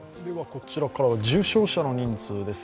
こちらからは重症者の人数です。